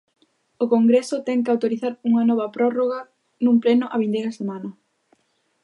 O Congreso ten que autorizar unha nova prórroga nun pleno a vindeira semana.